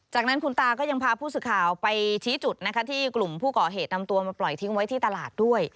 จากนั้นคุณตาก็ยังพาผู้สื่อข่าวไปชี้จุดนะคะที่กลุ่มผู้ก่อเหตุนำตัวมาปล่อยทิ้งไว้ที่ตลาดด้วย